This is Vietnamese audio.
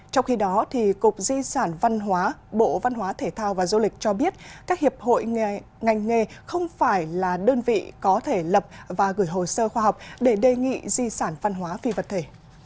trong khi đó cục di sản văn hóa bộ văn hóa thể thao và du lịch cho biết các hiệp hội ngành nghề không phải là đơn vị có thể lập và gửi hồ sơ khoa học để đề nghị di sản văn hóa phi vật thể